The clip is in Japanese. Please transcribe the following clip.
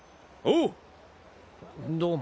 おう！